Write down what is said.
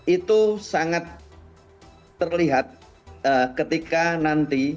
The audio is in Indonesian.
itu sangat terlihat ketika nanti